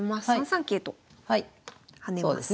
３三桂と跳ねます。